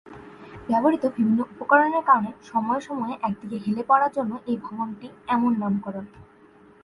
ব্যবহৃত বিভিন্ন উপকরণের কারণে সময়ে সময়ে একদিকে হেলে পড়ার জন্য এই ভবনটির এমন নামকরণ।